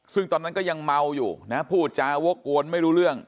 ซึ่งตอนนั้นก็ยังเมาอยู่นะพูดจาวกกวนไม่รู้เรื่อง